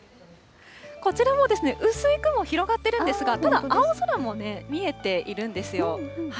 こちらもですね、薄い雲、広がってるんですが、ただ、青空も見えているんですよ。